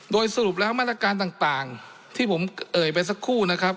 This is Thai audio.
โดยสรุปแล้วมาตรการต่างที่ผมเอ่ยไปสักครู่นะครับ